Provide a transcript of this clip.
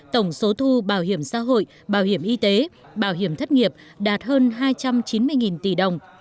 tổng số thu bảo hiểm xã hội bảo hiểm y tế bảo hiểm thất nghiệp đạt hơn hai trăm chín mươi tỷ đồng